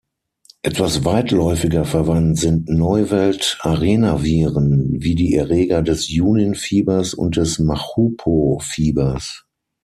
Etwas weitläufiger verwandt sind Neuwelt-Arenaviren wie die Erreger des Junin-Fiebers und des Machupo-Fiebers.